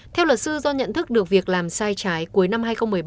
theo luật sư do nhận thức được việc làm sai trái cuối năm hai nghìn một mươi bảy